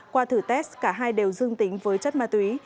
qua thử test cả hai đều dương tính với chất ma túy